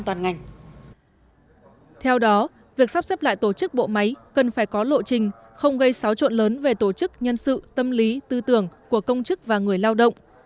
theo đó việc sắp xếp lại tổ chức bộ máy cần phải có lộ trình không gây xáo trộn lớn về tổ chức nhân sự tâm lý tư tưởng của công chức và người lao động